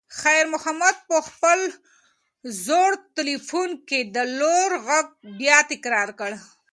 خیر محمد په خپل زوړ تلیفون کې د لور غږ بیا تکرار کړ.